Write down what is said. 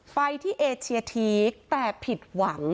ไปที่เอเชียทีกแต่ผิดหวัง